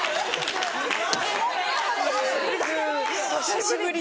久しぶり。